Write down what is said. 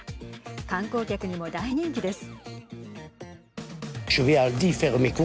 観光客にも大人気です。